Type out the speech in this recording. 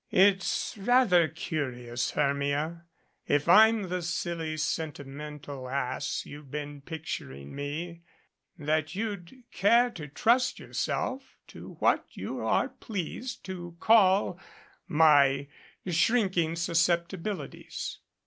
"It's rather curious, Hermia, if I'm the silly senti mental ass you've been picturing me, that you'd care to trust yourself to what you are pleased to call my shrink ing susceptibilities."